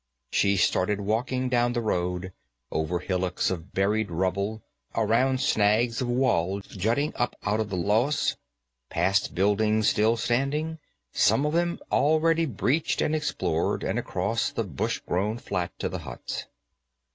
She started walking down the road, over hillocks of buried rubble, around snags of wall jutting up out of the loess, past buildings still standing, some of them already breached and explored, and across the brush grown flat to the huts.